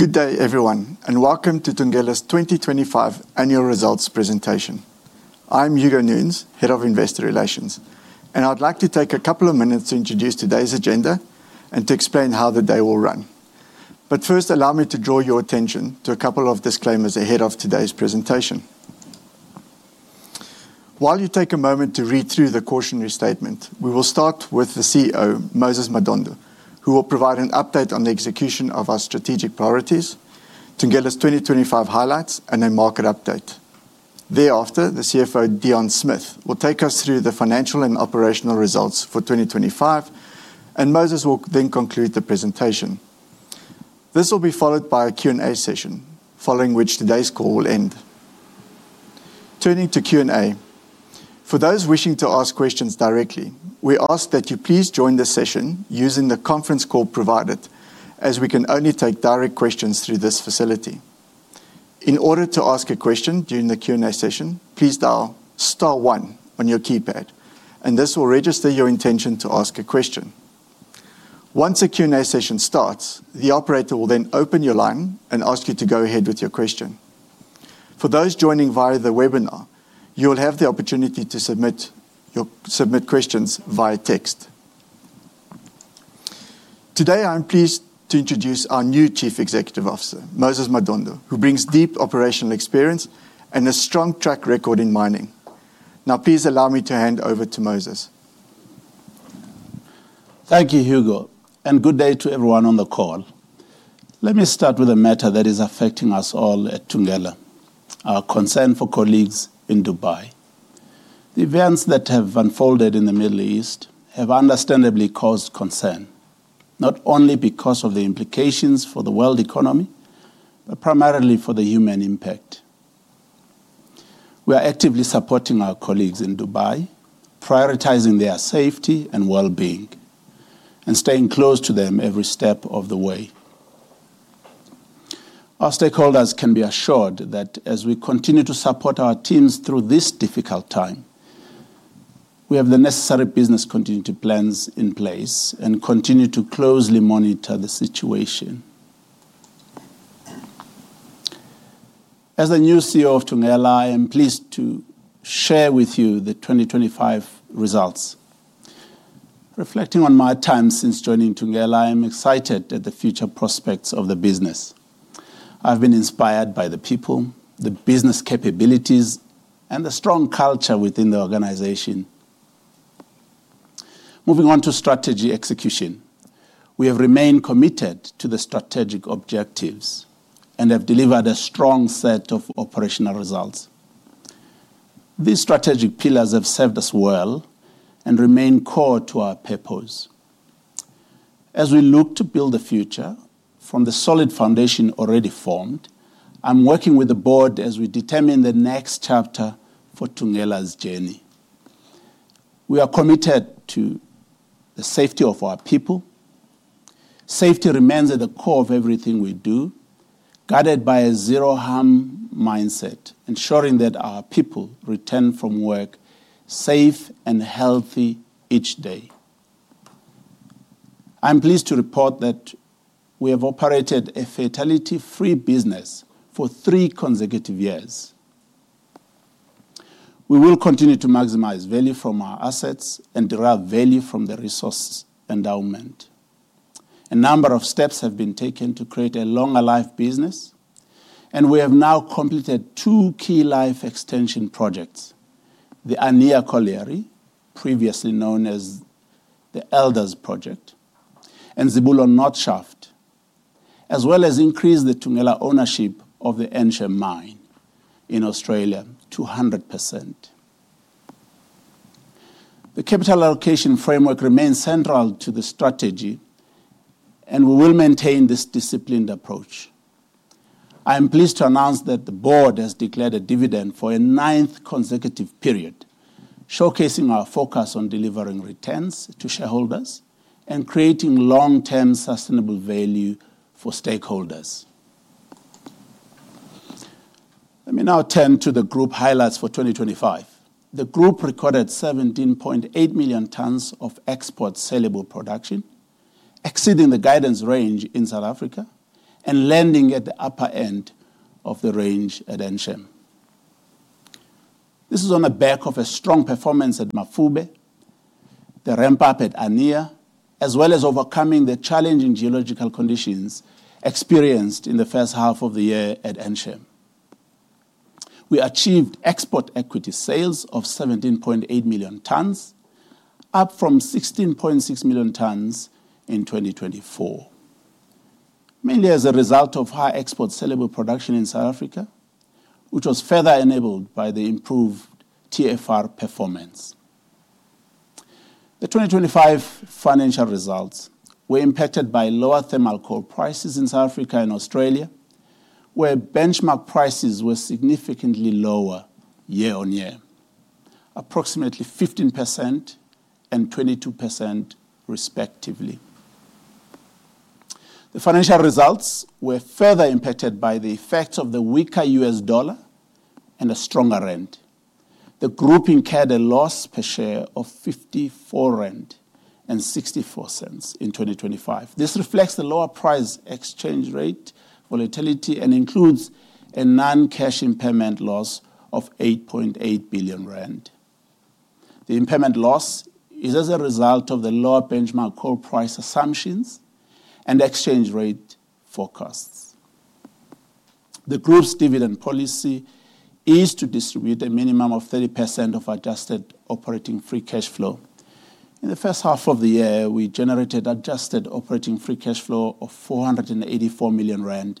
Good day everyone, and welcome to Thungela's 2025 annual results presentation. I'm Hugo Nunes, Head of Investor Relations, and I'd like to take a couple of minutes to introduce today's agenda and to explain how the day will run. First, allow me to draw your attention to a couple of disclaimers ahead of today's presentation. While you take a moment to read through the cautionary statement, we will start with the CEO, Moses Madondo, who will provide an update on the execution of our strategic priorities, Thungela's 2025 highlights, and a market update. Thereafter, the CFO, Deon Smith, will take us through the financial and operational results for 2025, and Moses will then conclude the presentation. This will be followed by a Q&A session, following which today's call will end. Turning to Q&A. For those wishing to ask questions directly, we ask that you please join the session using the conference call provided, as we can only take direct questions through this facility. In order to ask a question during the Q&A session, please dial star one on your keypad, and this will register your intention to ask a question. Once the Q&A session starts, the operator will then open your line and ask you to go ahead with your question. For those joining via the webinar, you'll have the opportunity to submit questions via text. Today, I'm pleased to introduce our new Chief Executive Officer, Moses Madondo, who brings deep operational experience and a strong track record in mining. Now, please allow me to hand over to Moses. Thank you, Hugo, and good day to everyone on the call. Let me start with a matter that is affecting us all at Thungela, our concern for colleagues in Dubai. The events that have unfolded in the Middle East have understandably caused concern, not only because of the implications for the world economy, but primarily for the human impact. We are actively supporting our colleagues in Dubai, prioritizing their safety and wellbeing, and staying close to them every step of the way. Our stakeholders can be assured that as we continue to support our teams through this difficult time, we have the necessary business continuity plans in place and continue to closely monitor the situation. As the new CEO of Thungela, I am pleased to share with you the 2025 results. Reflecting on my time since joining Thungela, I'm excited at the future prospects of the business. I've been inspired by the people, the business capabilities, and the strong culture within the organization. Moving on to strategy execution. We have remained committed to the strategic objectives and have delivered a strong set of operational results. These strategic pillars have served us well and remain core to our purpose. As we look to build a future from the solid foundation already formed, I'm working with the board as we determine the next chapter for Thungela's journey. We are committed to the safety of our people. Safety remains at the core of everything we do, guided by a zero harm mindset, ensuring that our people return from work safe and healthy each day. I'm pleased to report that we have operated a fatality-free business for three consecutive years. We will continue to maximize value from our assets and derive value from the resource endowment. A number of steps have been taken to create a longer life business. We have now completed two key life extension projects: the Annea Colliery, previously known as the Elders project, and Zibulo North Shaft, as well as increased the Thungela ownership of the Ensham mine in Australia to 100%. The capital allocation framework remains central to the strategy, and we will maintain this disciplined approach. I am pleased to announce that the board has declared a dividend for a ninth consecutive period, showcasing our focus on delivering returns to shareholders and creating long-term sustainable value for stakeholders. Let me now turn to the group highlights for 2025. The group recorded 17.8 million tons of exportable saleable production, exceeding the guidance range in South Africa and landing at the upper end of the range at Ensham. This is on the back of a strong performance at Mafube, the ramp-up at Annea, as well as overcoming the challenging geological conditions experienced in the first half of the year at Ensham. We achieved export equivalent sales of 17.8 million tons, up from 16.6 million tons in 2024, mainly as a result of high export saleable production in South Africa, which was further enabled by the improved TFR performance. The 2025 financial results were impacted by lower thermal coal prices in South Africa and Australia, where benchmark prices were significantly lower year-on-year, approximately 15% and 22% respectively. The financial results were further impacted by the effect of the weaker US dollar and a stronger rand. The group incurred a loss per share of 54.64 rand in 2025. This reflects the lower price exchange rate volatility and includes a non-cash impairment loss of 8.8 billion rand. The impairment loss is as a result of the lower benchmark coal price assumptions and exchange rate forecasts. The group's dividend policy is to distribute a minimum of 30% of adjusted operating free cash flow. In the first half of the year, we generated adjusted operating free cash flow of 484 million rand.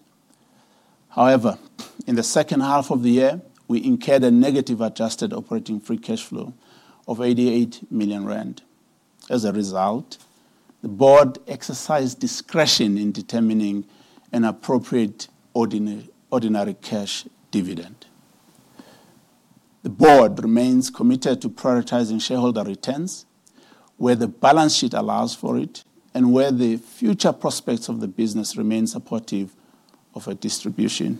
However, in the second half of the year, we incurred a negative adjusted operating free cash flow of 88 million rand. As a result, the board exercised discretion in determining an appropriate ordinary cash dividend. The board remains committed to prioritizing shareholder returns where the balance sheet allows for it and where the future prospects of the business remain supportive of a distribution.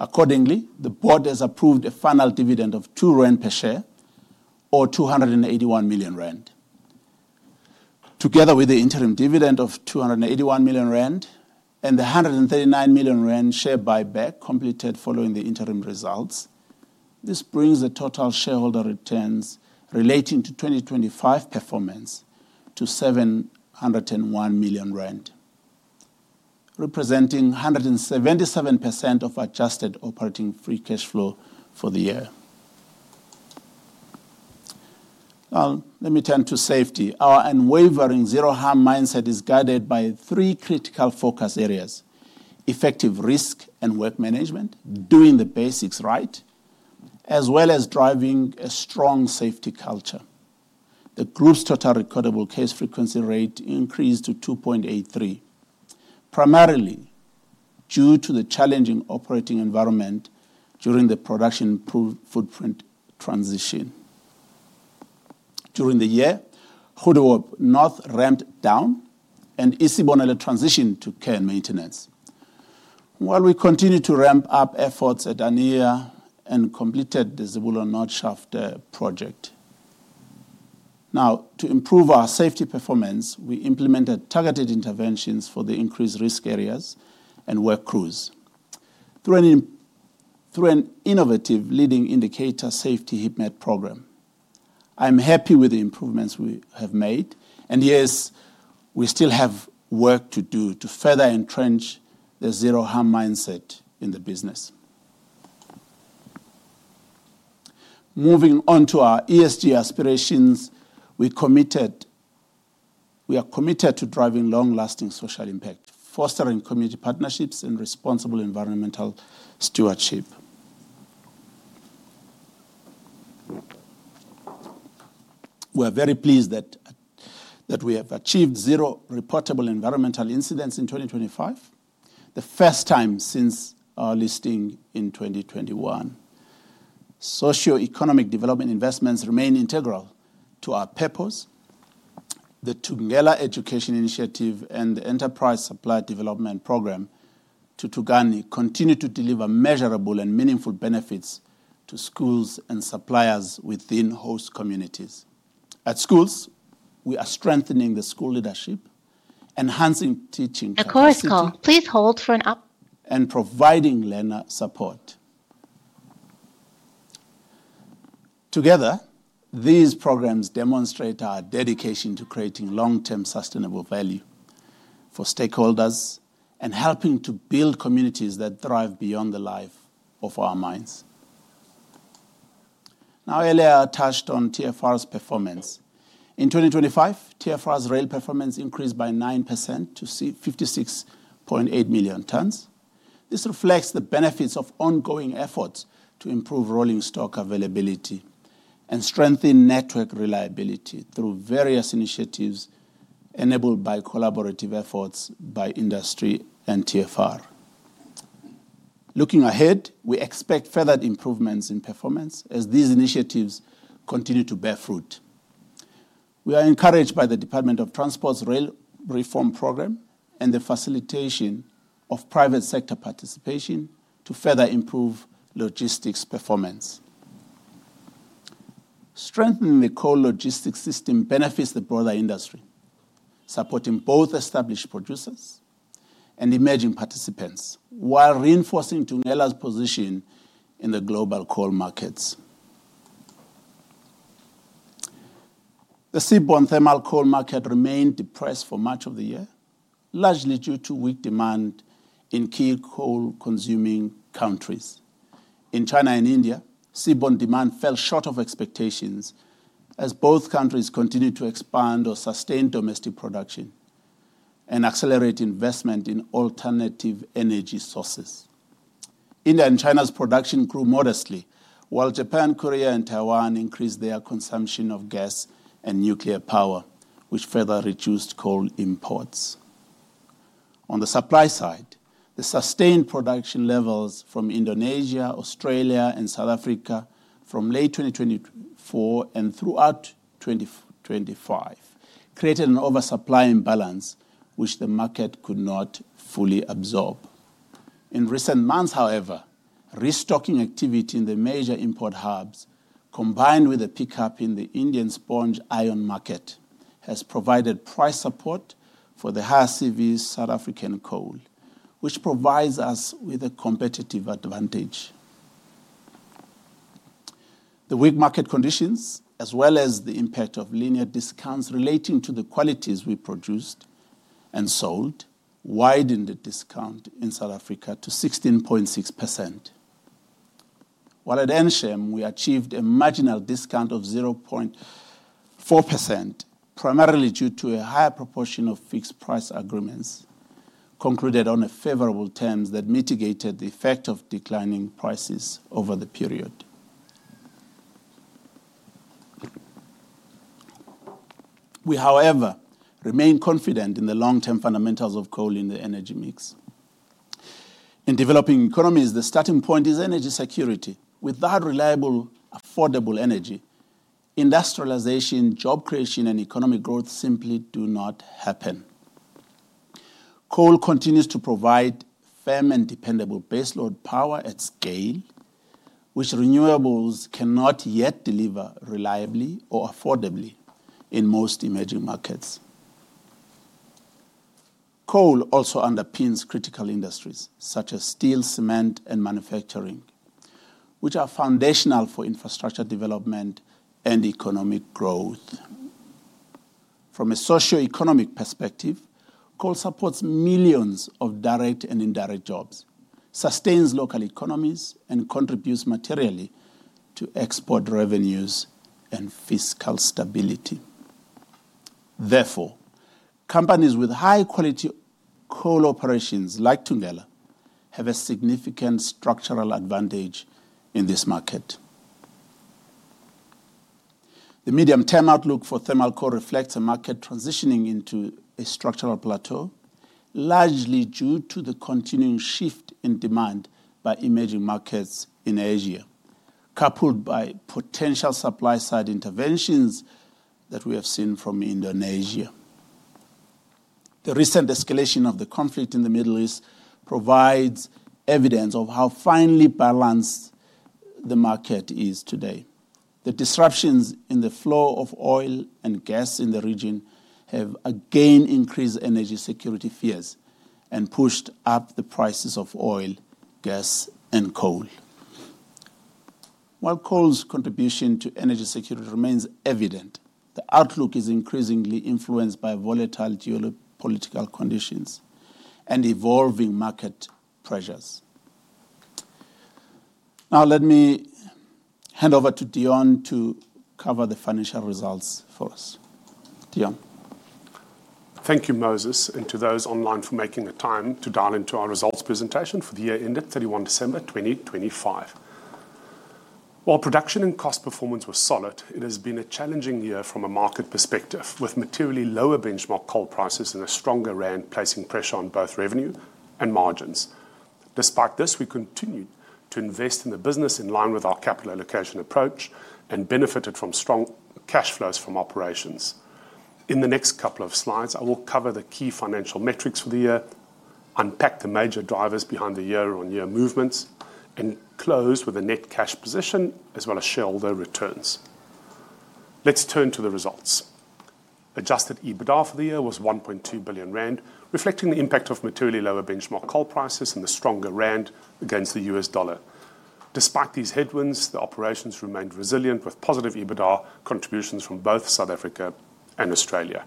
Accordingly, the board has approved a final dividend of 2 rand per share or 281 million rand. Together with the interim dividend of 281 million rand and the 139 million rand share buyback completed following the interim results, this brings the total shareholder returns relating to 2025 performance to ZAR 701 million, representing 177% of adjusted operating free cash flow for the year. Now, let me turn to safety. Our unwavering zero harm mindset is guided by three critical focus areas, effective risk and work management, doing the basics right, as well as driving a strong safety culture. The group's total recordable case frequency rate increased to 2.83, primarily due to the challenging operating environment during the production footprint transition. During the year, Goedehoop North ramped down and Isibonelo transitioned to care and maintenance, while we continued to ramp up efforts at Annea and completed the Zibulo North Shaft project. Now, to improve our safety performance, we implemented targeted interventions for the increased risk areas and work crews through an innovative leading indicator safety heatmaps program. I'm happy with the improvements we have made, and yes, we still have work to do to further entrench the zero harm mindset in the business. Moving on to our ESG aspirations, we are committed to driving long-lasting social impact, fostering community partnerships, and responsible environmental stewardship. We're very pleased that we have achieved zero reportable environmental incidents in 2025, the first time since our listing in 2021. Socioeconomic development investments remain integral to our purpose. The Thungela Education Initiative and the Enterprise Supplier Development Program, Thuthukani, continue to deliver measurable and meaningful benefits to schools and suppliers within host communities. At schools, we are strengthening the school leadership, enhancing teaching capacity and providing learner support. Together, these programs demonstrate our dedication to creating long-term sustainable value for stakeholders and helping to build communities that thrive beyond the life of our mines. Now, earlier I touched on TFR's performance. In 2025, TFR's rail performance increased by 9% to 56.8 million tonnes. This reflects the benefits of ongoing efforts to improve rolling stock availability and strengthen network reliability through various initiatives enabled by collaborative efforts by industry and TFR. Looking ahead, we expect further improvements in performance as these initiatives continue to bear fruit. We are encouraged by the Department of Transport's rail reform program and the facilitation of private sector participation to further improve logistics performance. Strengthening the coal logistics system benefits the broader industry, supporting both established producers and emerging participants while reinforcing Thungela's position in the global coal markets. The seaborne thermal coal market remained depressed for much of the year, largely due to weak demand in key coal-consuming countries. In China and India, seaborne demand fell short of expectations as both countries continued to expand or sustain domestic production and accelerate investment in alternative energy sources. India and China's production grew modestly, while Japan, Korea, and Taiwan increased their consumption of gas and nuclear power, which further reduced coal imports. On the supply side, the sustained production levels from Indonesia, Australia, and South Africa. From late 2024 and throughout 2025, created an oversupply imbalance which the market could not fully absorb. In recent months, however, restocking activity in the major import hubs, combined with a pickup in the Indian sponge iron market, has provided price support for the high CV South African coal, which provides us with a competitive advantage. The weak market conditions, as well as the impact of linear discounts relating to the qualities we produced and sold, widened the discount in South Africa to 16.6%, while at Ensham we achieved a marginal discount of 0.4%, primarily due to a higher proportion of fixed price agreements concluded on favorable terms that mitigated the effect of declining prices over the period. We, however, remain confident in the long-term fundamentals of coal in the energy mix. In developing economies, the starting point is energy security. Without reliable, affordable energy, industrialization, job creation, and economic growth simply do not happen. Coal continues to provide firm and dependable baseload power at scale, which renewables cannot yet deliver reliably or affordably in most emerging markets. Coal also underpins critical industries such as steel, cement and manufacturing, which are foundational for infrastructure development and economic growth. From a socioeconomic perspective, coal supports millions of direct and indirect jobs, sustains local economies, and contributes materially to export revenues and fiscal stability. Therefore, companies with high quality coal operations like Thungela have a significant structural advantage in this market. The medium-term outlook for thermal coal reflects a market transitioning into a structural plateau, largely due to the continuing shift in demand by emerging markets in Asia, coupled by potential supply side interventions that we have seen from Indonesia. The recent escalation of the conflict in the Middle East provides evidence of how finely balanced the market is today. The disruptions in the flow of oil and gas in the region have again increased energy security fears and pushed up the prices of oil, gas and coal. While coal's contribution to energy security remains evident, the outlook is increasingly influenced by volatile geopolitical conditions and evolving market pressures. Now, let me hand over to Deon to cover the financial results for us. Deon. Thank you, Moses, and to those online for making the time to dial into our results presentation for the year ended 31 December 2025. While production and cost performance were solid, it has been a challenging year from a market perspective, with materially lower benchmark coal prices and a stronger rand placing pressure on both revenue and margins. Despite this, we continued to invest in the business in line with our capital allocation approach and benefited from strong cash flows from operations. In the next couple of slides, I will cover the key financial metrics for the year, unpack the major drivers behind the year-on-year movements, and close with the net cash position as well as shareholder returns. Let's turn to the results. Adjusted EBITDA for the year was 1.2 billion rand, reflecting the impact of materially lower benchmark coal prices and the stronger rand against the US dollar. Despite these headwinds, the operations remained resilient with positive EBITDA contributions from both South Africa and Australia.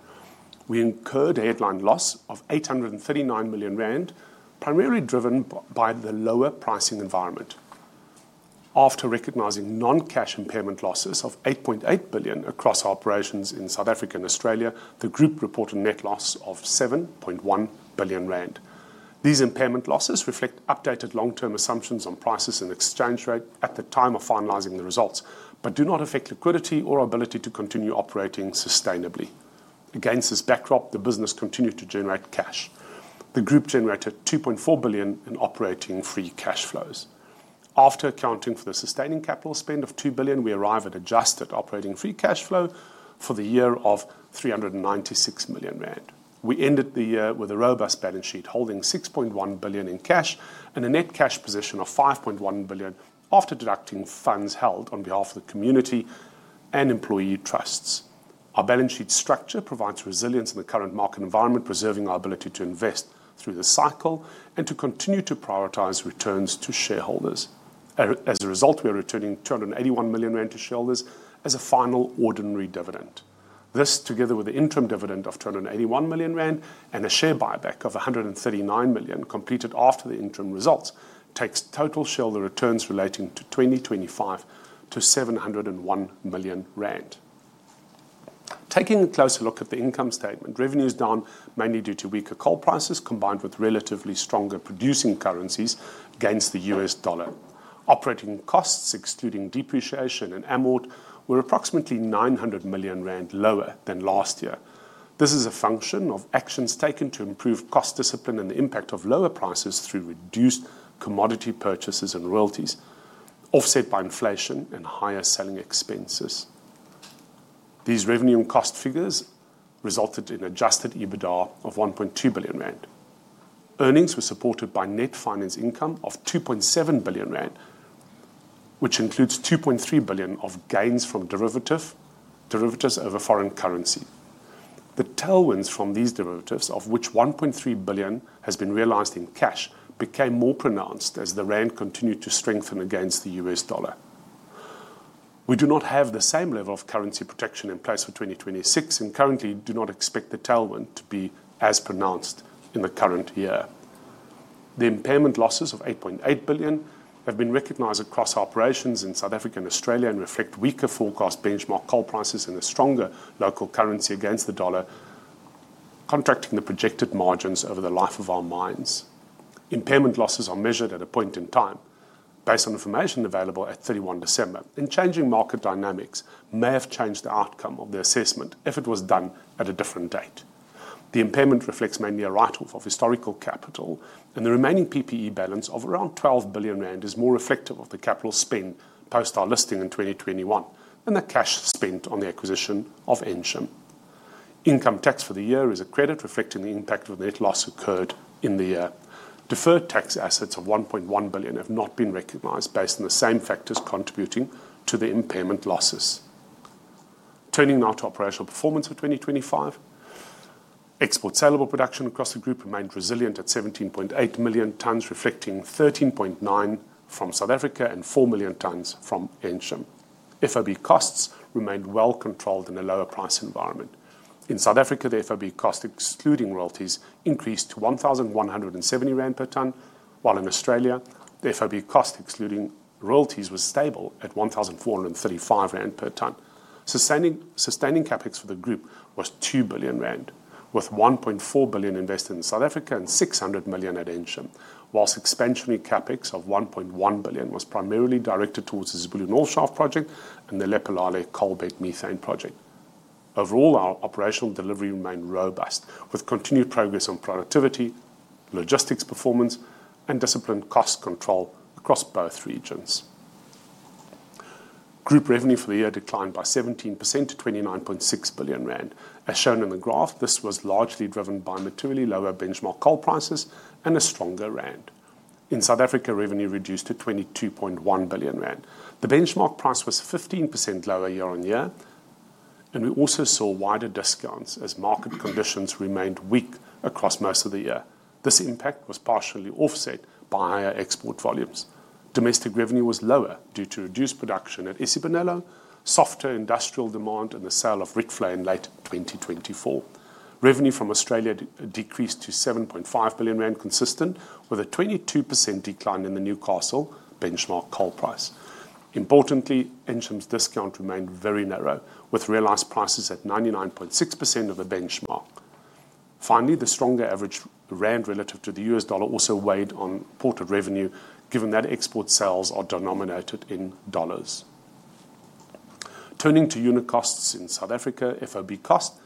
We incurred a headline loss of 839 million rand, primarily driven by the lower pricing environment. After recognizing non-cash impairment losses of 8.8 billion across operations in South Africa and Australia, the group reported net loss of 7.1 billion rand. These impairment losses reflect updated long term assumptions on prices and exchange rate at the time of finalizing the results, but do not affect liquidity or ability to continue operating sustainably. Against this backdrop, the business continued to generate cash. The group generated 2.4 billion in operating free cash flows. After accounting for the sustaining capital spend of 2 billion, we arrive at adjusted operating free cash flow for the year of 396 million rand. We ended the year with a robust balance sheet holding 6.1 billion in cash and a net cash position of 5.1 billion after deducting funds held on behalf of the community and employee trusts. Our balance sheet structure provides resilience in the current market environment, preserving our ability to invest through the cycle and to continue to prioritize returns to shareholders. As a result, we are returning 281 million rand to shareholders as a final ordinary dividend. This, together with the interim dividend of 281 million rand and a share buyback of 139 million completed after the interim results, takes total shareholder returns relating to 2025 to 701 million rand. Taking a closer look at the income statement, revenues down mainly due to weaker coal prices combined with relatively stronger producing currencies against the US dollar. Operating costs, excluding depreciation and amortization, were approximately 900 million rand lower than last year. This is a function of actions taken to improve cost discipline and the impact of lower prices through reduced commodity purchases and royalties, offset by inflation and higher selling expenses. These revenue and cost figures resulted in adjusted EBITDA of 1.2 billion rand. Earnings were supported by net finance income of 2.7 billion rand, which includes 2.3 billion of gains from derivatives over foreign currency. The tailwinds from these derivatives, of which 1.3 billion has been realized in cash, became more pronounced as the rand continued to strengthen against the US dollar. We do not have the same level of currency protection in place for 2026 and currently do not expect the tailwind to be as pronounced in the current year. The impairment losses of 8.8 billion have been recognized across operations in South Africa and Australia and reflect weaker forecast benchmark coal prices and a stronger local currency against the dollar, contracting the projected margins over the life of our mines. Impairment losses are measured at a point in time based on information available at December 31, and changing market dynamics may have changed the outcome of the assessment if it was done at a different date. The impairment reflects mainly a write-off of historical capital, and the remaining PPE balance of around 12 billion rand is more reflective of the capital spend post our listing in 2021 than the cash spent on the acquisition of Ensham. Income tax for the year is a credit reflecting the impact of net loss occurred in the year. Deferred tax assets of 1.1 billion have not been recognized based on the same factors contributing to the impairment losses. Turning now to operational performance for 2025. Export saleable production across the group remained resilient at 17.8 million tons, reflecting 13.9 from South Africa and 4 million tons from Ensham. FOB costs remained well controlled in a lower price environment. In South Africa, the FOB cost excluding royalties increased to 1,170 rand per ton, while in Australia, the FOB cost excluding royalties was stable at 1,435 rand per ton. Sustaining CapEx for the group was 2 billion rand, with 1.4 billion invested in South Africa and 600 million at Ensham. Whilst expansionary CapEx of 1.1 billion was primarily directed towards the Zibulo North Shaft project and the Lephalale coalbed methane project. Overall, our operational delivery remained robust with continued progress on productivity, logistics performance, and disciplined cost control across both regions. Group revenue for the year declined by 17% to 29.6 billion rand. As shown in the graph, this was largely driven by materially lower benchmark coal prices and a stronger rand. In South Africa, revenue reduced to 22.1 billion rand. The benchmark price was 15% lower year-on-year, and we also saw wider discounts as market conditions remained weak across most of the year. This impact was partially offset by higher export volumes. Domestic revenue was lower due to reduced production at Isibonelo, softer industrial demand, and the sale of Ricflame in late 2024. Revenue from Australia decreased to 7.5 billion rand, consistent with a 22% decline in the Newcastle benchmark coal price. Importantly, Ensham's discount remained very narrow, with realized prices at 99.6% of the benchmark. Finally, the stronger average rand relative to the US dollar also weighed on export revenue, given that export sales are denominated in dollars. Turning to unit costs in South Africa, FOB cost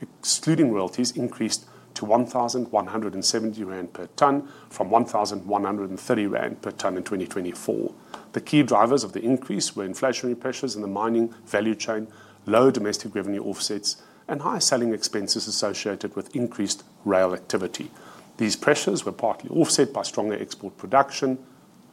excluding royalties increased to 1,170 rand per ton from 1,130 rand per ton in 2024. The key drivers of the increase were inflationary pressures in the mining value chain, low domestic revenue offsets, and higher selling expenses associated with increased rail activity. These pressures were partly offset by stronger export production,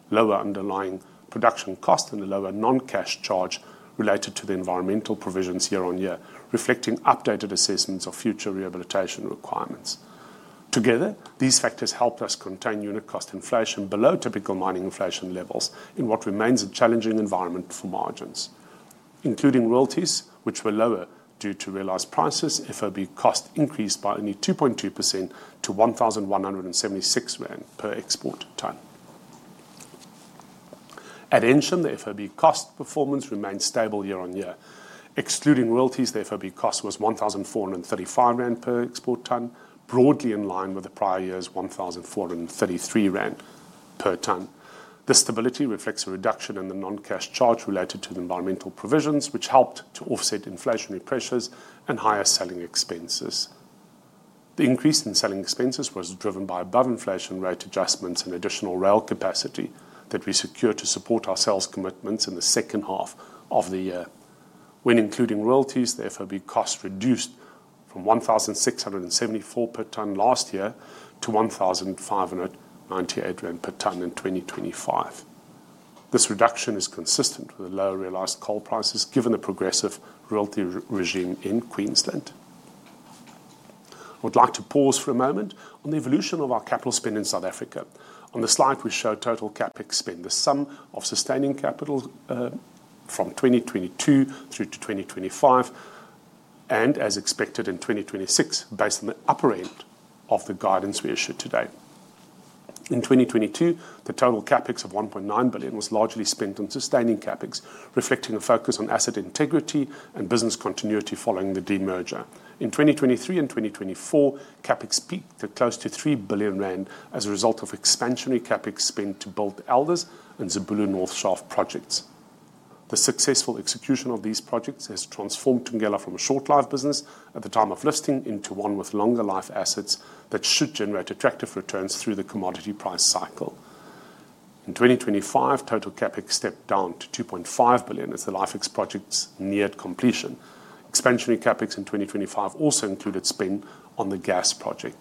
lower underlying production cost, and a lower non-cash charge related to the environmental provisions year on year, reflecting updated assessments of future rehabilitation requirements. Together, these factors helped us contain unit cost inflation below typical mining inflation levels in what remains a challenging environment for margins. Including royalties, which were lower due to realized prices, FOB cost increased by only 2.2% to 1,176 rand per export ton. At Ensham, the FOB cost performance remained stable year-on-year. Excluding royalties, the FOB cost was 1,435 rand per export ton, broadly in line with the prior year's 1,433 rand per ton. This stability reflects a reduction in the non-cash charge related to the environmental provisions, which helped to offset inflationary pressures and higher selling expenses. The increase in selling expenses was driven by above-inflation rate adjustments and additional rail capacity that we secured to support our sales commitments in the second half of the year. When including royalties, the FOB cost reduced from 1,674 per ton last year to 1,590 rand per ton in 2025. This reduction is consistent with the lower realized coal prices given the progressive royalty regime in Queensland. I would like to pause for a moment on the evolution of our capital spend in South Africa. On the slide, we show total CapEx spend, the sum of sustaining capital from 2022 through to 2025, and as expected in 2026, based on the upper end of the guidance we issued today. In 2022, the total CapEx of 1.9 billion was largely spent on sustaining CapEx, reflecting a focus on asset integrity and business continuity following the demerger. In 2023 and 2024, CapEx peaked at close to 3 billion rand as a result of expansionary CapEx spend to build Elders and Zibulo North Shaft projects. The successful execution of these projects has transformed Thungela from a short life business at the time of listing into one with longer life assets that should generate attractive returns through the commodity price cycle. In 2025, total CapEx stepped down to 2.5 billion as the life extension projects neared completion. Expansionary CapEx in 2025 also included spend on the gas project.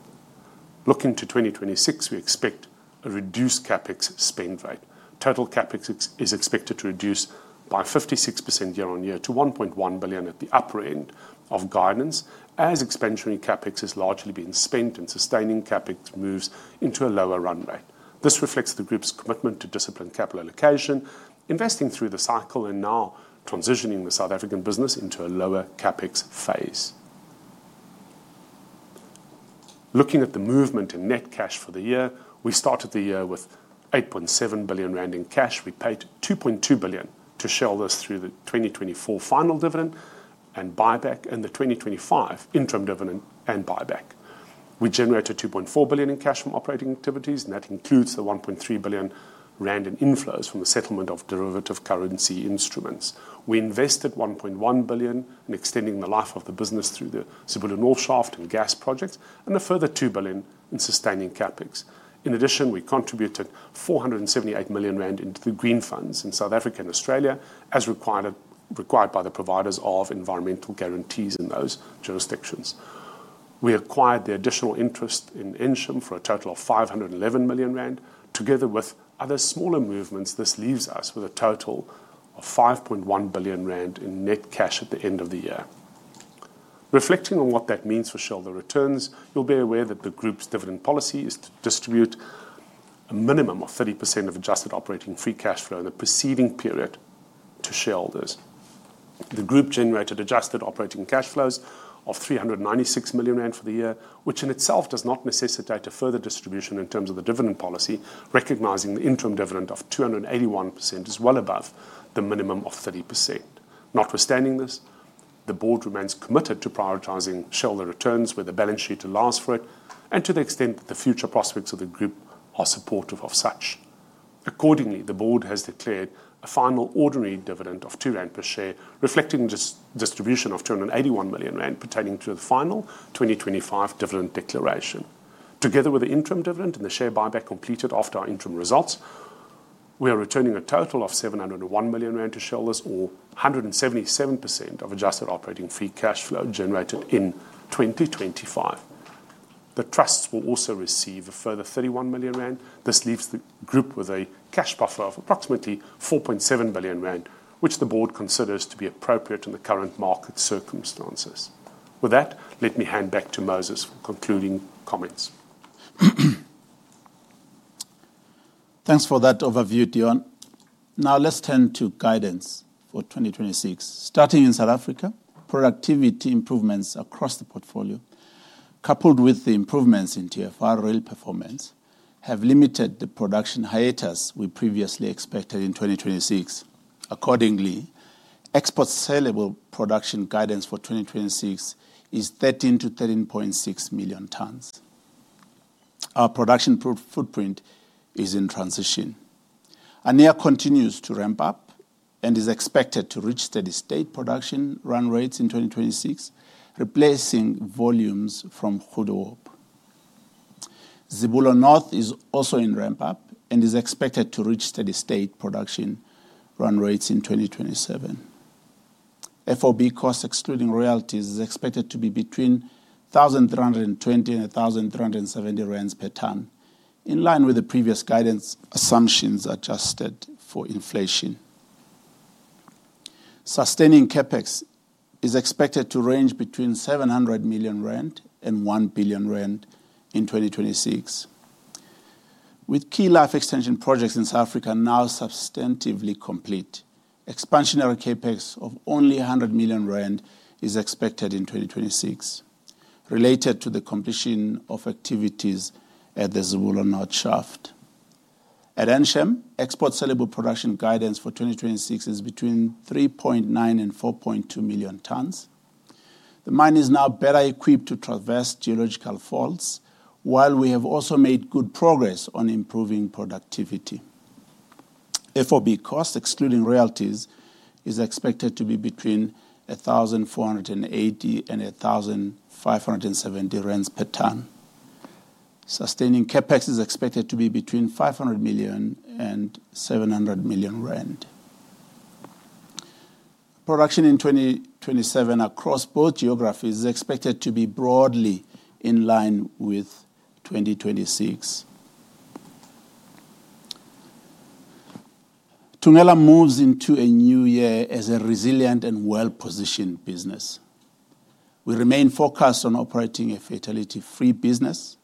Looking to 2026, we expect a reduced CapEx spend rate. Total CapEx is expected to reduce by 56% year-on-year to 1.1 billion at the upper end of guidance, as expansionary CapEx has largely been spent and sustaining CapEx moves into a lower run rate. This reflects the group's commitment to disciplined capital allocation, investing through the cycle and now transitioning the South African business into a lower CapEx phase. Looking at the movement in net cash for the year, we started the year with 8.7 billion rand in cash. We paid 2.2 billion to shareholders through the 2024 final dividend and buyback and the 2025 interim dividend and buyback. We generated 2.4 billion in cash from operating activities, and that includes the 1.3 billion rand in inflows from the settlement of derivative currency instruments. We invested 1.1 billion in extending the life of the business through the Zibulo North Shaft and gas projects, and a further 2 billion in sustaining CapEx. In addition, we contributed 478 million rand into the green funds in South Africa and Australia as required by the providers of environmental guarantees in those jurisdictions. We acquired the additional interest in Ensham for a total of 511 million rand. Together with other smaller movements, this leaves us with a total of 5.1 billion rand in net cash at the end of the year. Reflecting on what that means for shareholder returns, you'll be aware that the group's dividend policy is to distribute a minimum of 30% of adjusted operating free cash flow in the preceding period to shareholders. The group generated adjusted operating cash flows of 396 million rand for the year, which in itself does not necessitate a further distribution in terms of the dividend policy, recognizing the interim dividend of 281% is well above the minimum of 30%. Notwithstanding this, the board remains committed to prioritizing shareholder returns where the balance sheet allows for it and to the extent that the future prospects of the group are supportive of such. Accordingly, the board has declared a final ordinary dividend of 2 rand per share, reflecting distribution of 281 million rand pertaining to the final 2025 dividend declaration. Together with the interim dividend and the share buyback completed after our interim results, we are returning a total of 701 million rand to shareholders or 177% of adjusted operating free cash flow generated in 2025. The trusts will also receive a further 31 million rand. This leaves the group with a cash buffer of approximately 4.7 billion rand, which the board considers to be appropriate in the current market circumstances. With that, let me hand back to Moses for concluding comments. Thanks for that overview, Deon. Now let's turn to guidance for 2026. Starting in South Africa, productivity improvements across the portfolio, coupled with the improvements in TFR rail performance, have limited the production hiatus we previously expected in 2026. Accordingly, export saleable production guidance for 2026 is 13 million-13.6 million tonnes. Our production footprint is in transition. Annea continues to ramp up and is expected to reach steady state production run rates in 2026, replacing volumes from Goedehoop. Zibulo North is also in ramp-up and is expected to reach steady state production run rates in 2027. FOB cost excluding royalties is expected to be between 1,320 and 1,370 rand per tonne, in line with the previous guidance assumptions adjusted for inflation. Sustaining CapEx is expected to range between 700 million rand and 1 billion rand in 2026. With key life extension projects in South Africa now substantively complete, expansionary CapEx of only 100 million rand is expected in 2026, related to the completion of activities at the Zibulo North Shaft. At Ensham, export saleable production guidance for 2026 is between 3.9 tonnes and 4.2 million tonnes. The mine is now better equipped to traverse geological faults, while we have also made good progress on improving productivity. FOB cost, excluding royalties, is expected to be between 1,480 and 1,570 rand per tonne. Sustaining CapEx is expected to be between 500 million and 700 million rand. Production in 2027 across both geographies is expected to be broadly in line with 2026. Thungela moves into a new year as a resilient and well-positioned business. We remain focused on operating a fatality-free business,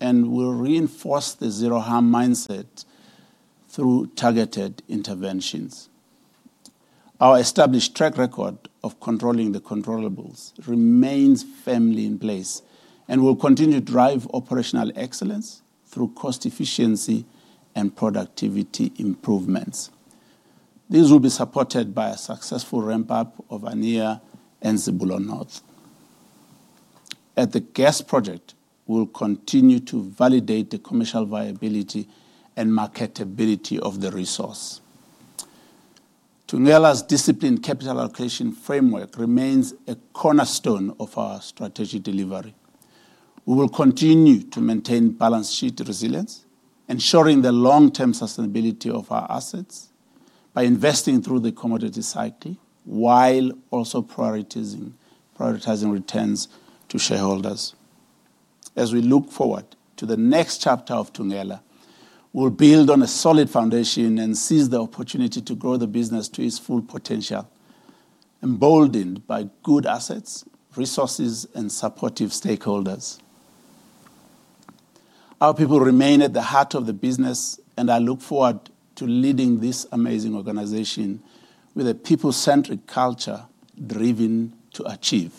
and we'll reinforce the zero-harm mindset through targeted interventions. Our established track record of controlling the controllables remains firmly in place, and we'll continue to drive operational excellence through cost efficiency and productivity improvements. This will be supported by a successful ramp-up of Annea and Zibulo North. At the gas project, we'll continue to validate the commercial viability and marketability of the resource. Thungela's disciplined capital allocation framework remains a cornerstone of our strategic delivery. We will continue to maintain balance sheet resilience, ensuring the long-term sustainability of our assets by investing through the commodity cycle, while also prioritizing returns to shareholders. As we look forward to the next chapter of Thungela, we'll build on a solid foundation and seize the opportunity to grow the business to its full potential, emboldened by good assets, resources, and supportive stakeholders. Our people remain at the heart of the business, and I look forward to leading this amazing organization with a people-centric culture driven to achieve.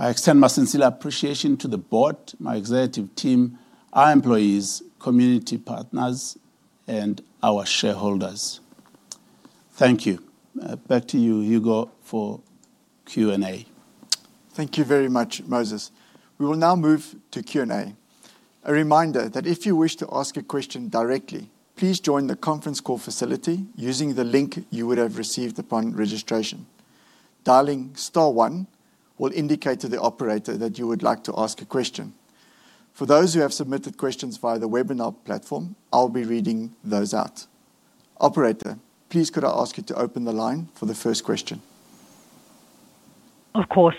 I extend my sincere appreciation to the board, my executive team, our employees, community partners, and our shareholders. Thank you. Back to you, Hugo, for Q&A. Thank you very much, Moses. We will now move to Q&A. A reminder that if you wish to ask a question directly, please join the conference call facility using the link you would have received upon registration. Dialing star one will indicate to the operator that you would like to ask a question. For those who have submitted questions via the webinar platform, I'll be reading those out. Operator, please could I ask you to open the line for the first question? Of course.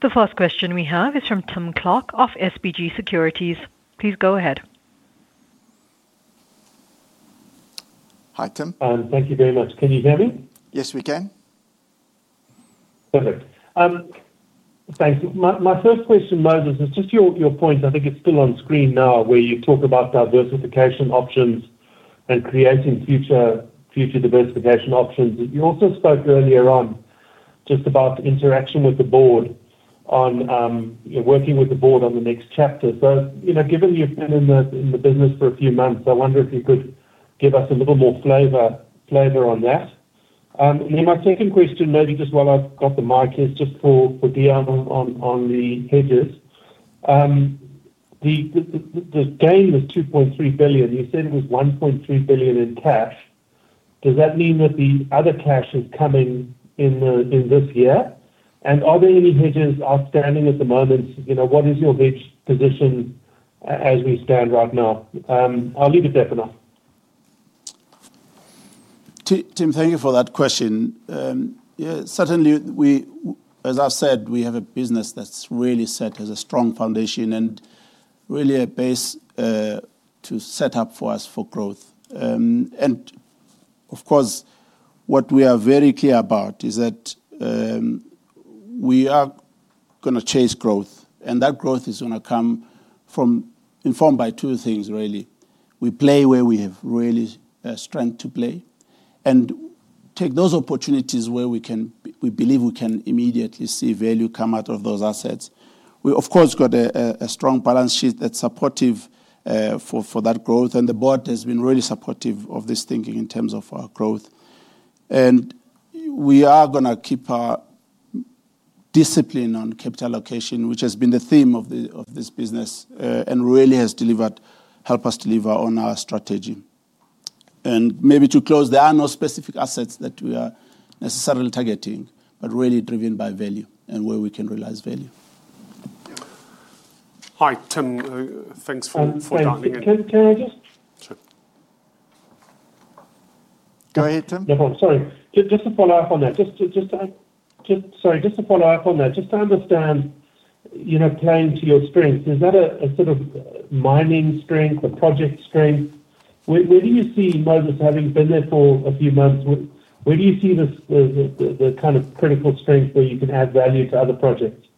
The first question we have is from Tim Clark of SBG Securities. Please go ahead. Hi, Tim. Thank you very much. Can you hear me? Yes, we can. Perfect. Thank you. My first question, Moses, is just your point, I think it's still on screen now, where you talk about diversification options and creating future diversification options. You also spoke earlier on just about interaction with the board on working with the board on the next chapter. You know, given you've been in the business for a few months, I wonder if you could give us a little more flavor on that. My second question, maybe just while I've got the mic, is just for Deon on the hedges. The gain was 2.3 billion. You said it was 1.3 billion in cash. Does that mean that the other cash is coming in in this year? And are there any hedges outstanding at the moment? You know, what is your hedge position as we stand right now? I'll leave it there for now. Tim, thank you for that question. Yeah, certainly. As I've said, we have a business that's really set, has a strong foundation and really a base to set up for us for growth. Of course, what we are very clear about is that we are gonna chase growth, and that growth is gonna come from, informed by two things really. We play where we have really strength to play and take those opportunities where we believe we can immediately see value come out of those assets. We of course have got a strong balance sheet that's supportive for that growth, and the board has been really supportive of this thinking in terms of our growth. We are gonna keep our discipline on capital allocation, which has been the theme of this business, and really has helped us deliver on our strategy. Maybe to close, there are no specific assets that we are necessarily targeting, but really driven by value and where we can realize value. Hi, Tim. Thanks for dialing in. Yeah. Can I just. Sure. Go ahead, Tim. No problem. Sorry. Just to follow up on that. Just to understand, you know, playing to your strengths, is that a sort of mining strength or project strength? Where do you see, Moses, having been there for a few months, where do you see the kind of critical strength where you can add value to other projects?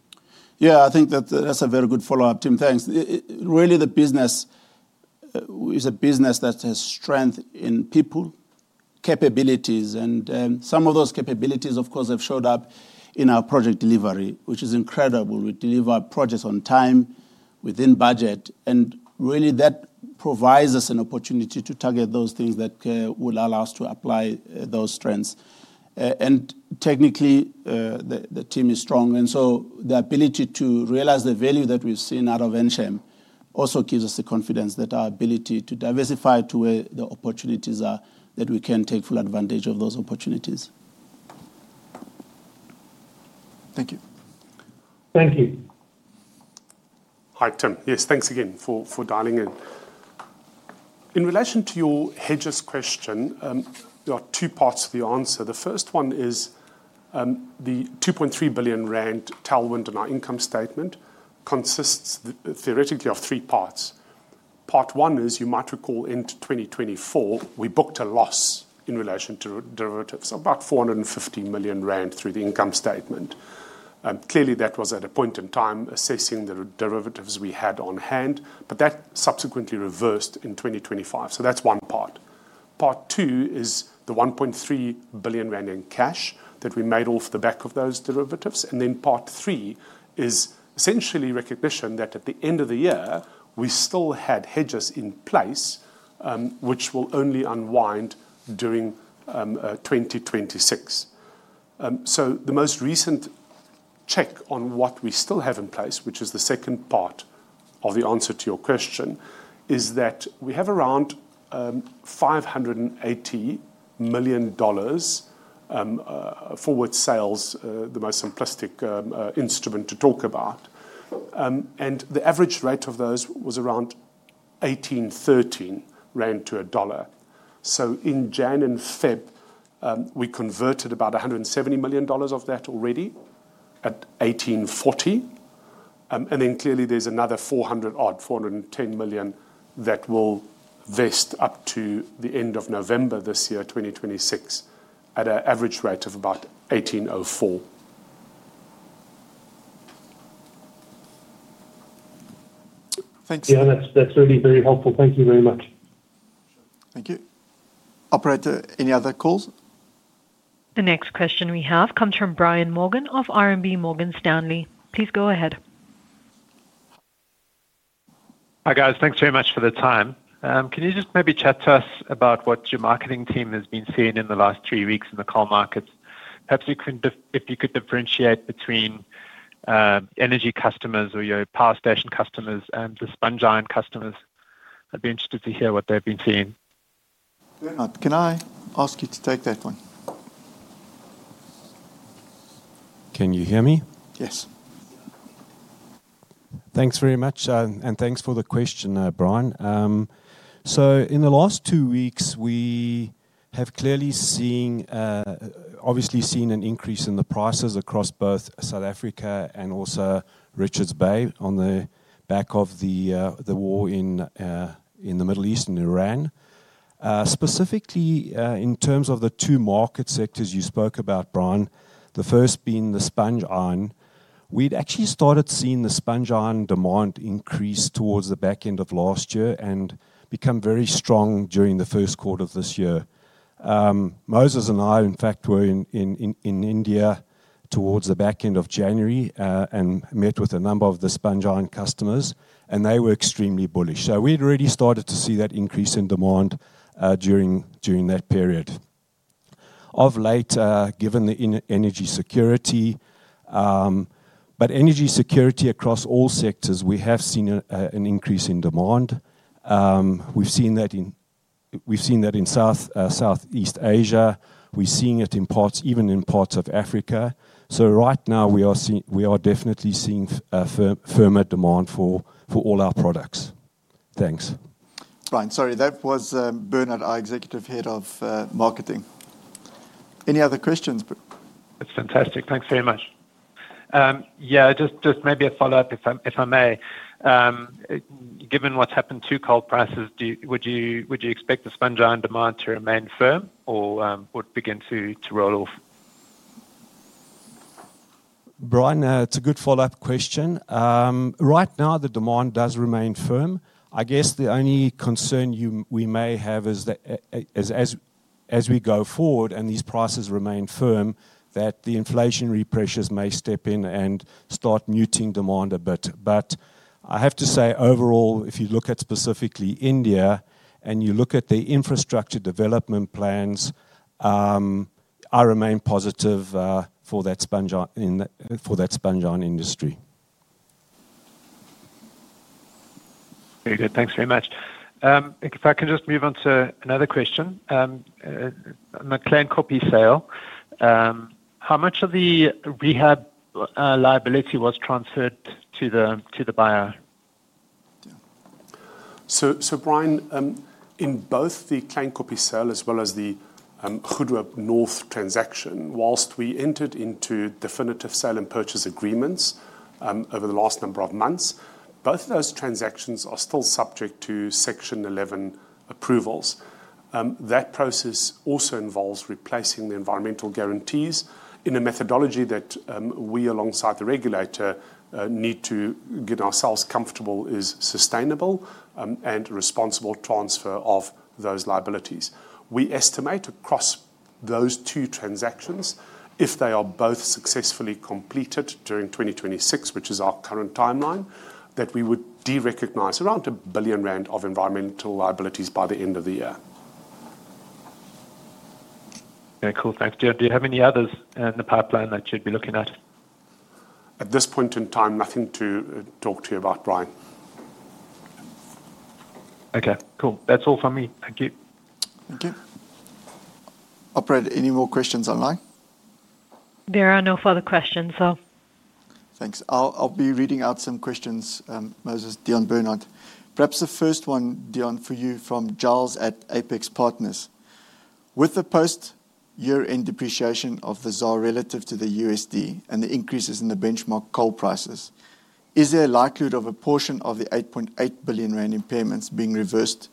Yeah. I think that that's a very good follow-up, Tim. Thanks. Really the business is a business that has strength in people, capabilities, and some of those capabilities of course have showed up in our project delivery, which is incredible. We deliver projects on time, within budget, and really that provides us an opportunity to target those things that will allow us to apply those strengths. And technically, the team is strong, and so the ability to realize the value that we've seen out of Ensham also gives us the confidence that our ability to diversify to where the opportunities are, that we can take full advantage of those opportunities. Thank you. Thank you. Hi, Tim. Yes. Thanks again for dialing in. In relation to your hedges question, there are 2 parts to the answer. The first one is, the 2.3 billion rand tailwind in our income statement consists theoretically of three parts. Part 1 is, you might recall in 2024, we booked a loss in relation to derivatives, about 450 million rand through the income statement. Clearly that was at a point in time assessing the derivatives we had on hand, but that subsequently reversed in 2025. That's one part. Part two is the 1.3 billion rand in cash that we made off the back of those derivatives. Part three is essentially recognition that at the end of the year, we still had hedges in place, which will only unwind during 2026. The most recent check on what we still have in place, which is the second part of the answer to your question, is that we have around $580 million forward sales, the most simplistic instrument to talk about. The average rate of those was around 18.13 rand to a dollar. In January and February, we converted about $170 million of that already at 18.40. Then clearly there's another $410 million that will vest up to the end of November this year, 2026, at an average rate of about 18.04. Thanks. Yeah, that's really very helpful. Thank you very much. Thank you. Operator, any other calls? The next question we have comes from Brian Morgan of RMB Morgan Stanley. Please go ahead. Hi guys. Thanks very much for the time. Can you just maybe chat to us about what your marketing team has been seeing in the last three weeks in the coal markets? Perhaps you can if you could differentiate between energy customers or your power station customers and the sponge iron customers. I'd be interested to hear what they've been seeing. Bernard, can I ask you to take that one? Can you hear me? Yes. Thanks very much. Thanks for the question, Brian. In the last two weeks, we have clearly seen an increase in the prices across both South Africa and also Richards Bay on the back of the war in the Middle East and Iran. Specifically, in terms of the two market sectors you spoke about, Brian, the first being the sponge iron, we'd actually started seeing the sponge iron demand increase towards the back end of last year and become very strong during the first quarter of this year. Moses and I, in fact, were in India towards the back end of January and met with a number of the sponge iron customers, and they were extremely bullish. We'd already started to see that increase in demand during that period. Of late, given the energy security across all sectors, we have seen an increase in demand. We've seen that in Southeast Asia. We've seen it in parts, even in parts of Africa. Right now we are definitely seeing firmer demand for all our products. Thanks. Brian, sorry. That was Bernard, our Executive Head of marketing. Any other questions? That's fantastic. Thanks very much. Yeah, just maybe a follow-up if I may. Given what's happened to coal prices, would you expect the sponge iron demand to remain firm or would begin to roll off? Brian, it's a good follow-up question. Right now, the demand does remain firm. I guess the only concern we may have is that as we go forward and these prices remain firm, that the inflationary pressures may step in and start muting demand a bit. I have to say, overall, if you look at specifically India and you look at the infrastructure development plans, I remain positive for that sponge iron industry. Very good. Thanks very much. If I can just move on to another question. The Khwezela sale, how much of the rehab liability was transferred to the buyer? Brian, in both the Khwezela sale as well as the Goedehoop North transaction, while we entered into definitive sale and purchase agreements over the last number of months, both of those transactions are still subject to Section 11 approvals. That process also involves replacing the environmental guarantees in a methodology that we, alongside the regulator, need to get ourselves comfortable is sustainable and responsible transfer of those liabilities. We estimate across those two transactions, if they are both successfully completed during 2026, which is our current timeline, that we would derecognize around 1 billion rand of environmental liabilities by the end of the year. Okay. Cool. Thanks. Do you have any others in the pipeline that you'd be looking at? At this point in time, nothing to talk to you about, Brian. Okay, cool. That's all from me. Thank you. Thank you. Operator, any more questions online? There are no further questions, sir. Thanks. I'll be reading out some questions, Moses, Deon, Bernard. Perhaps the first one, Deon, for you from Giles at Apax Partners. With the post year-end depreciation of the ZAR relative to the USD and the increases in the benchmark coal prices, is there a likelihood of a portion of the 8.8 billion rand impairments being reversed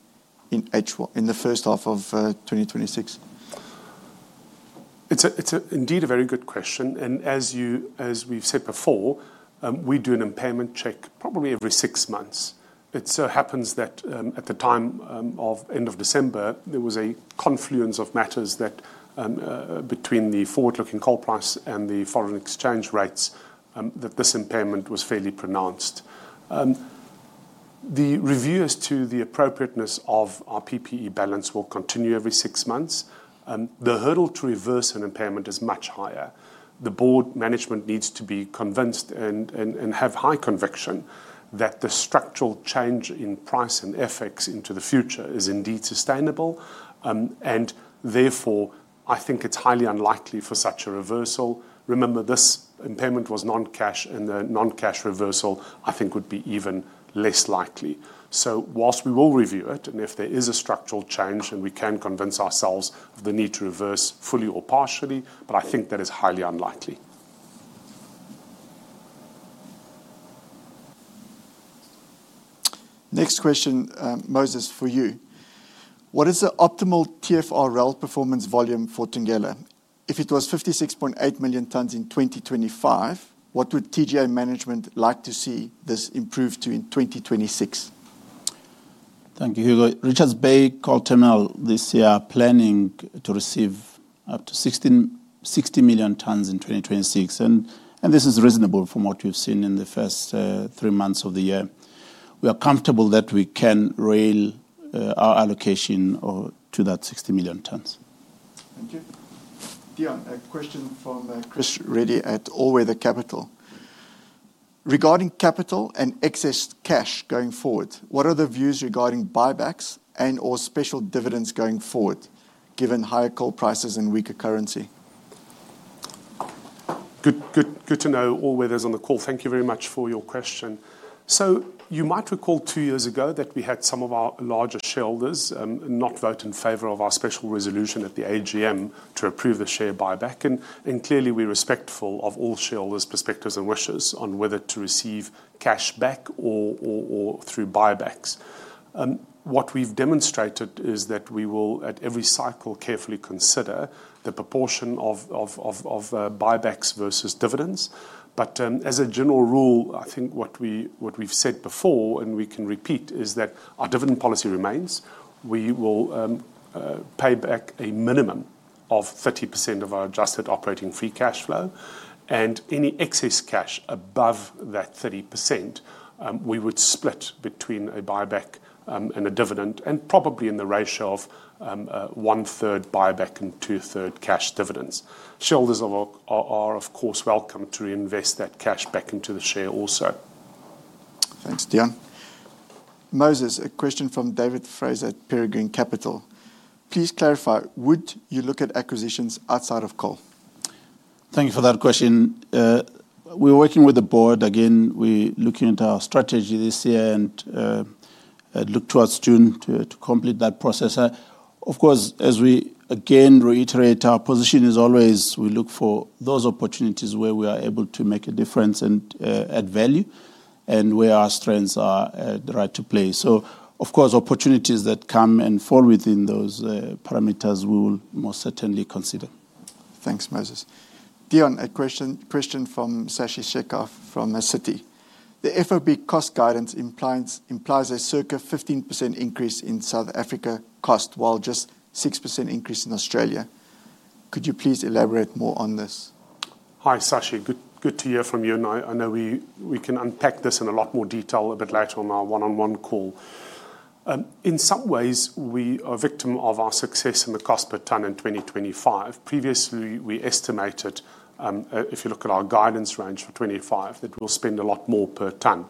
in the first half of 2026? It's indeed a very good question, and as we've said before, we do an impairment check probably every six months. It so happens that at the time of end of December, there was a confluence of matters that between the forward-looking coal price and the foreign exchange rates that this impairment was fairly pronounced. The review as to the appropriateness of our PPE balance will continue every six months. The hurdle to reverse an impairment is much higher. The board management needs to be convinced and have high conviction that the structural change in price and FX into the future is indeed sustainable. Therefore, I think it's highly unlikely for such a reversal. Remember, this impairment was non-cash, and a non-cash reversal I think would be even less likely. While we will review it, and if there is a structural change, and we can convince ourselves of the need to reverse fully or partially, but I think that is highly unlikely. Next question, Moses, for you. What is the optimal TFR rail performance volume for Thungela? If it was 56.8 million tons in 2025, what would TGA management like to see this improve to in 2026? Thank you, Hugo. Richards Bay Coal Terminal this year are planning to receive up to 60 million tonnes in 2026, and this is reasonable from what we've seen in the first three months of the year. We are comfortable that we can rail our allocation up to that 60 million tonnes. Thank you. Deon, a question from Chris Reddy at All Weather Capital. Regarding capital and excess cash going forward, what are the views regarding buybacks and/or special dividends going forward, given higher coal prices and weaker currency? Good to know All Weather Capital's on the call. Thank you very much for your question. You might recall two years ago that we had some of our larger shareholders not vote in favor of our special resolution at the AGM to approve the share buyback, and clearly we're respectful of all shareholders' perspectives and wishes on whether to receive cash back or through buybacks. What we've demonstrated is that we will, at every cycle, carefully consider the proportion of buybacks versus dividends. As a general rule, I think what we've said before, and we can repeat, is that our dividend policy remains. We will pay back a minimum of 30% of our adjusted operating free cash flow, and any excess cash above that 30%, we would split between a buyback and a dividend, and probably in the ratio of one third buyback and two thirds cash dividends. Shareholders are, of course, welcome to reinvest that cash back into the share also. Thanks, Deon. Moses, a question from David Fraser at Peregrine Capital. Please clarify, would you look at acquisitions outside of coal? Thank you for that question. We're working with the board again. We're looking at our strategy this year and look towards June to complete that process. Of course, as we again reiterate, our position is always we look for those opportunities where we are able to make a difference and add value and where our strengths are at the right to play. Of course, opportunities that come and fall within those parameters we will most certainly consider. Thanks, Moses. Deon, a question from Shashi Shekhar from Citi. The FOB cost guidance implies a circa 15% increase in South Africa cost, while just 6% increase in Australia. Could you please elaborate more on this? Hi, Shashi. Good to hear from you, and I know we can unpack this in a lot more detail a bit later on our one-on-one call. In some ways, we are victim of our success in the cost per tonne in 2025. Previously, we estimated, if you look at our guidance range for 2025, that we'll spend a lot more per tonne.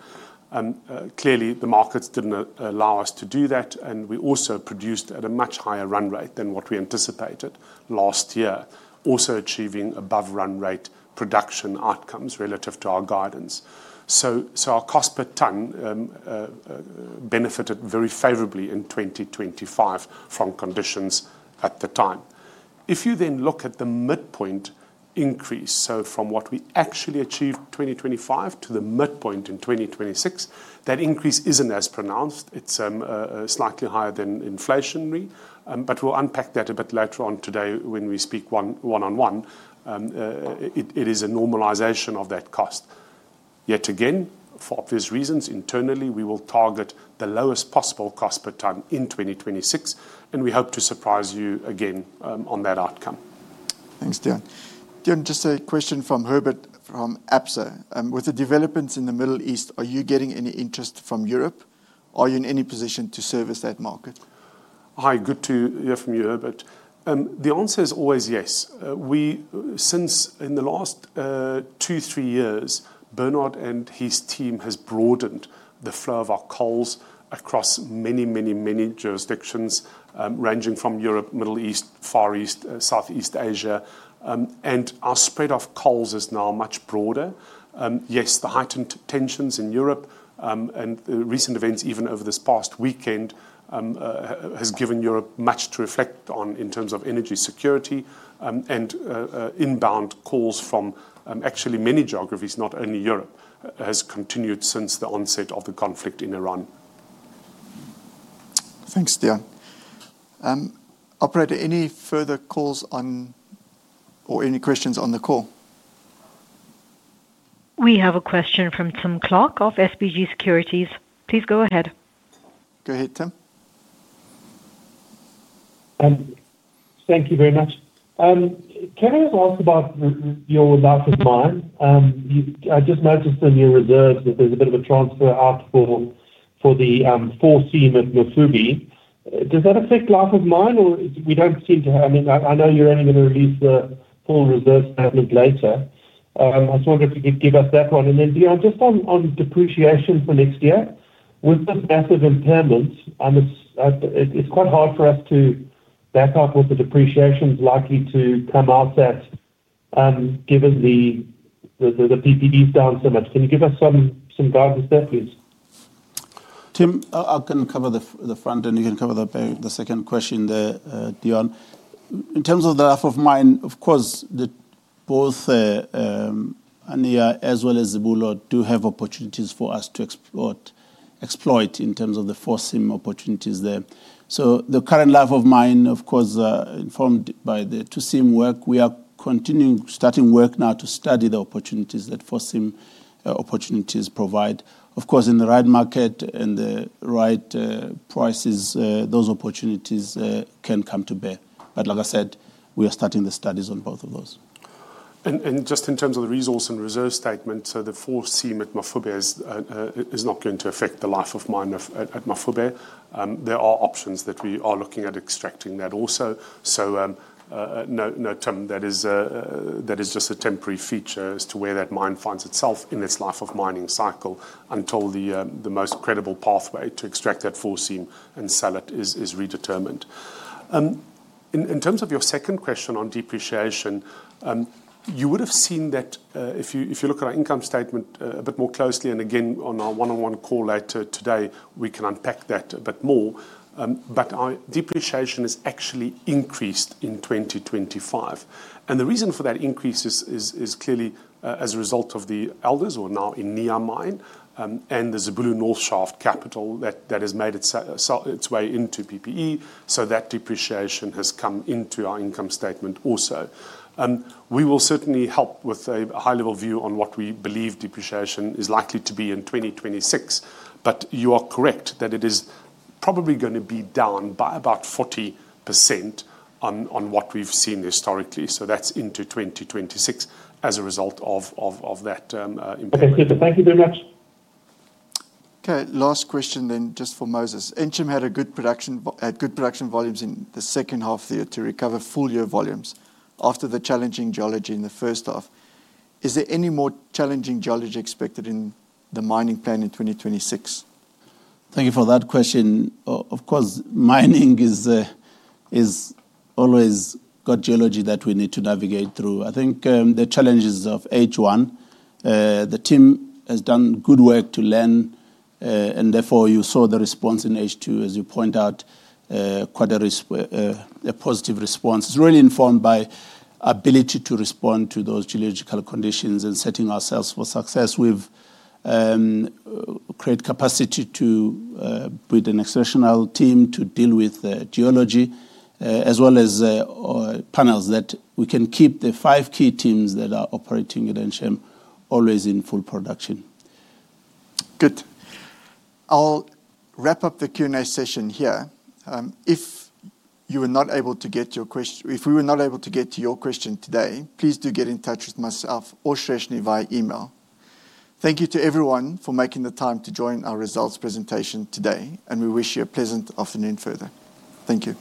Clearly the markets didn't allow us to do that, and we also produced at a much higher run rate than what we anticipated last year, also achieving above run rate production outcomes relative to our guidance. Our cost per tonne benefited very favorably in 2025 from conditions at the time. If you look at the midpoint increase, so from what we actually achieved 2025 to the midpoint in 2026, that increase isn't as pronounced. It's slightly higher than inflationary, but we'll unpack that a bit later on today when we speak one-on-one. It is a normalization of that cost. Yet again, for obvious reasons, internally, we will target the lowest possible cost per tonne in 2026, and we hope to surprise you again on that outcome. Thanks, Deon. Deon, just a question from Herbert from Absa. With the developments in the Middle East, are you getting any interest from Europe? Are you in any position to service that market? Hi, good to hear from you, Herbert. The answer is always yes. Since in the last two, two years, Bernard and his team has broadened the flow of our coals across many jurisdictions, ranging from Europe, Middle East, Far East, Southeast Asia, and our spread of coals is now much broader. Yes, the heightened tensions in Europe, and recent events even over this past weekend, has given Europe much to reflect on in terms of energy security, and inbound calls from actually many geographies, not only Europe, has continued since the onset of the conflict in Iran. Thanks, Deon. Operator, any further calls on or any questions on the call? We have a question from Tim Clark of SBG Securities. Please go ahead. Go ahead, Tim. Thank you very much. Can I just ask about your life of mine? I just noticed in your reserves that there's a bit of a transfer out for the 4 seam at Mafube. Does that affect life of mine or we don't seem to? I mean, I know you're only gonna release the full reserve statement later. I just wondered if you could give us that one. Deon, just on depreciation for next year, with the massive impairments, it's quite hard for us to back up what the depreciation's likely to come out at, given the PPE is down so much. Can you give us some guidance there, please? Tim, I can cover the first and you can cover the second question there, Deon. In terms of the life of mine, of course, both Annea as well as Zibulo do have opportunities for us to exploit in terms of the four seam opportunities there. The current life of mine, of course, informed by the two seam work, we are continuing starting work now to study the opportunities that 4 seam opportunities provide. Of course, in the right market and the right prices, those opportunities can come to bear. Like I said, we are starting the studies on both of those. Just in terms of the resource and reserve statement, the 4 seam at Mafube is not going to affect the life of mine at Mafube. There are options that we are looking at extracting that also. No, Tim, that is just a temporary feature as to where that mine finds itself in its life of mining cycle until the most credible pathway to extract that 4 seam and sell it is redetermined. In terms of your second question on depreciation, you would have seen that if you look at our income statement a bit more closely, and again, on our one-on-one call later today, we can unpack that a bit more. Our depreciation has actually increased in 2025. The reason for that increase is clearly as a result of the Elders or now the Annea Colliery, and the Zibulo North Shaft capital that has made its way into PPE, so that depreciation has come into our income statement also. We will certainly help with a high-level view on what we believe depreciation is likely to be in 2026. You are correct that it is probably gonna be down by about 40% on what we've seen historically. That's into 2026 as a result of that impact. Okay. Thank you very much. Okay. Last question then just for Moses. Ensham had a good production volumes in the second half of the year to recover full year volumes after the challenging geology in the first half. Is there any more challenging geology expected in the mining plan in 2026? Thank you for that question. Of course, mining has always got geology that we need to navigate through. I think the challenges of H1, the team has done good work to learn and therefore you saw the response in H2, as you point out, quite a positive response. It's really informed by ability to respond to those geological conditions and setting ourselves for success. We've created capacity to build an exceptional team to deal with the geology as well as panels that we can keep the five key teams that are operating at Ensham always in full production. Good. I'll wrap up the Q&A session here. If we were not able to get to your question today, please do get in touch with myself or Sreshni via email. Thank you to everyone for making the time to join our results presentation today, and we wish you a pleasant afternoon further. Thank you.